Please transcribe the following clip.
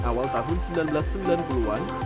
awal tahun seribu sembilan ratus sembilan puluh an